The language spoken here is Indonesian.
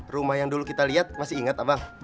rumah yang dulu kita lihat masih ingat abang